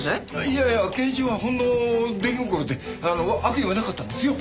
いやいや健一はほんの出来心で悪意はなかったんですよ。